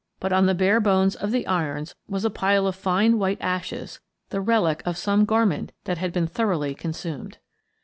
But on the bare bones of the irons was a pile of fine white ashes, the relic of some garment that had been thoroughly consumed.